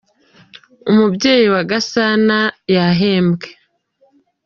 Umubyeyi wa gasana yahembwe.